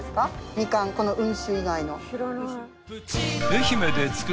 みかんこの温州以外の。